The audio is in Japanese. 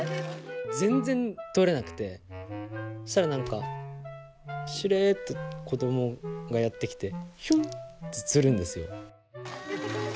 全然取れなくてそしたら何かしれっと子供がやって来てヒュンって釣るんですよ。